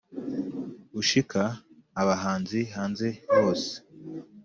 ushika abahanzi hanze bose